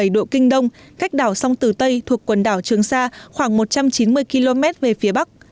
một trăm một mươi ba bảy độ kinh đông cách đảo sông tử tây thuộc quần đảo trường sa khoảng một trăm chín mươi km về phía bắc